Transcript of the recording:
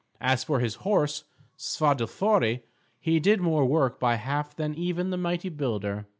As for his horse Svadilföri, he did more work by half than even the mighty builder.